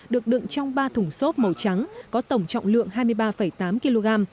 được đựng trong ba thùng xốp màu trắng có tổng trọng lượng hai mươi ba tám kg